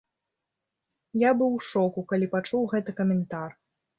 Я быў у шоку, калі пачуў гэты каментар!